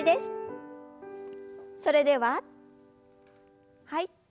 それでははい。